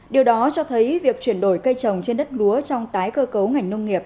điều đó cho thấy việc chuyển đổi cây trồng trên đất lúa trong tái cơ cấu ngành nông nghiệp